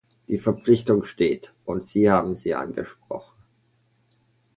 Die Verpflichtung steht, und Sie haben sie angesprochen.